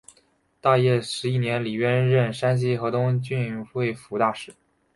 大业十一年李渊任山西河东郡慰抚大使。